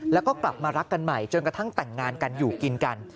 แล้วก็กลับมารักกันใหม่จนกระทั่งแต่งงานกันอยู่กินกัน